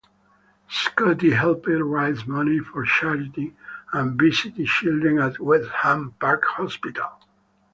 Scotty helped raise money for charity and visited children at Wexham Park Hospital.